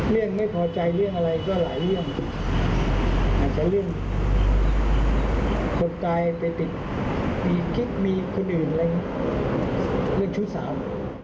ไม่พอใจเรื่องอะไรก็หลายเรื่องอาจจะเรื่องคนตายไปติดมีคิดมีคนอื่นอะไรเรื่องชู้สาว